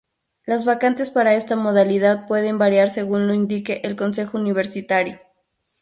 Las vacantes para esta modalidad pueden variar según lo indique el Consejo Universitario.